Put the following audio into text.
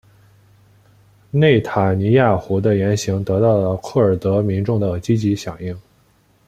内塔尼亚胡的言行得到了库尔德民众的积极响应。